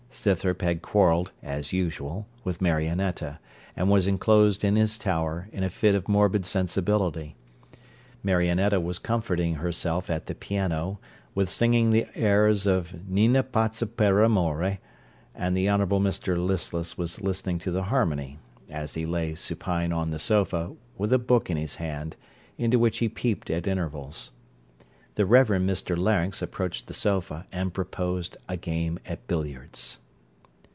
Scythrop had quarrelled, as usual, with Marionetta, and was enclosed in his tower, in a fit of morbid sensibility. Marionetta was comforting herself at the piano, with singing the airs of Nina pazza per amore; and the Honourable Mr Listless was listening to the harmony, as he lay supine on the sofa, with a book in his hand, into which he peeped at intervals. The Reverend Mr Larynx approached the sofa, and proposed a game at billiards.